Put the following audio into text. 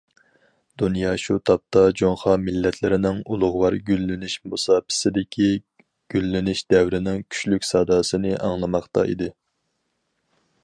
دۇنيا شۇ تاپتا جۇڭخۇا مىللەتلىرىنىڭ ئۇلۇغۋار گۈللىنىش مۇساپىسىدىكى گۈللىنىش دەۋرىنىڭ كۈچلۈك ساداسىنى ئاڭلىماقتا ئىدى.